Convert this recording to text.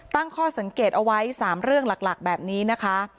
ตั้งข้อสังเกตเอาไว้๓เรื่องหลักแบบนี้นะคะ